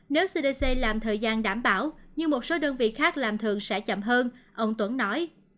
nếu cdc làm thời gian đảm bảo nhưng một số đơn vị khác làm thường sẽ chậm hơn ông tuấn nói